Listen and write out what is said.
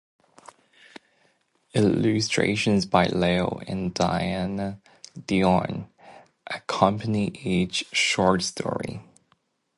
Illustrations by Leo and Diane Dillon accompany each short story.